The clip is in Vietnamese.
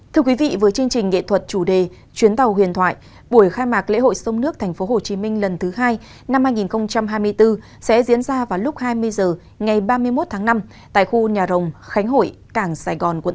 thưa quý vị với chương trình nghệ thuật chủ đề chuyến tàu huyền thoại buổi khai mạc lễ hội sông nước tp hcm lần thứ hai năm hai nghìn hai mươi bốn sẽ diễn ra vào lúc hai mươi h ngày ba mươi một tháng năm tại khu nhà rồng khánh hội cảng sài gòn quận tám